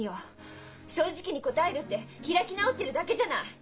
「正直に答える」って開き直ってるだけじゃない！